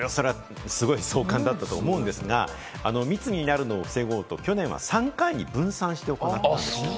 壮観だったと思うんですが、密になるのを防ごうと、去年は３回に分散して行ったんです。